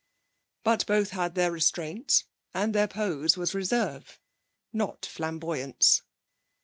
But both had their restraints, and their pose was reserve, not flamboyance.'